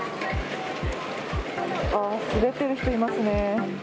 あー、滑ってる人いますね。